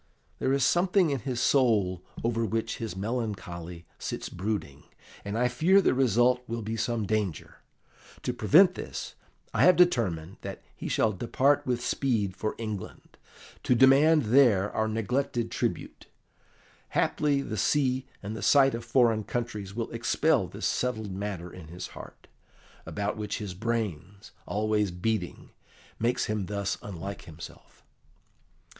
There is something in his soul over which his melancholy sits brooding, and I fear the result will be some danger. To prevent this, I have determined that he shall depart with speed for England, to demand there our neglected tribute. Haply the sea and the sight of foreign countries will expel this settled matter in his heart, about which his brains, always beating, makes him thus unlike himself."